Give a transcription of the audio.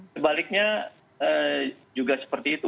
sebaliknya juga seperti itu